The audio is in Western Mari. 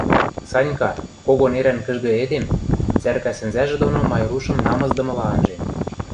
Санька, кого нерӓн кӹжгӹ эдем, цӓркӓ сӹнзӓжӹ доно Майрушым намысдымыла анжен.